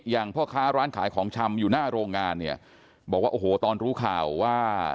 พ่อค้าร้านขายของชำอยู่หน้าโรงงานเนี่ยบอกว่าโอ้โหตอนรู้ข่าวว่า